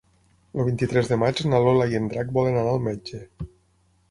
El vint-i-tres de maig na Lola i en Drac volen anar al metge.